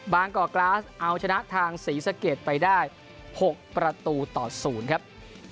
ก่อกราสเอาชนะทางศรีสะเกดไปได้๖ประตูต่อ๐ครับ